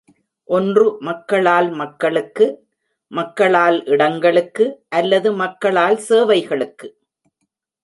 ஒன்று மக்களால் மக்களுக்கு, மக்களால் இடங்களுக்கு அல்லது மக்களால் சேவைகளுக்கு.